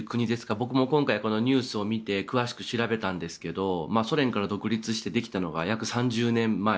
僕も今回、このニュースを見て詳しく調べたんですがソ連から独立してできたのが約３０年前。